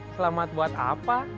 selamat buat apa